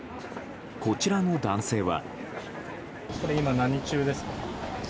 こちらの男性は。